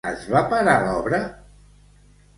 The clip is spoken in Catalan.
Es va parar l'obra?